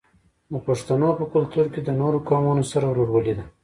د پښتنو په کلتور کې د نورو قومونو سره ورورولي ده.